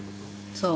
そう。